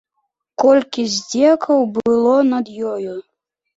Колькі здзекаў было над ёю!